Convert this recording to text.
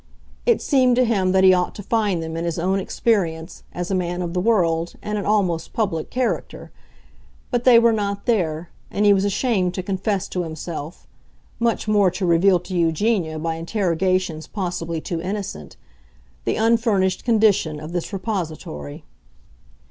It seemed to him that he ought to find them in his own experience, as a man of the world and an almost public character; but they were not there, and he was ashamed to confess to himself—much more to reveal to Eugenia by interrogations possibly too innocent—the unfurnished condition of this repository.